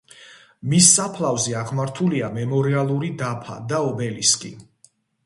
მის საფლავზე აღმართულია მემორიალური დაფა და ობელისკი.